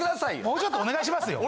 もうちょっとお願いしますよ。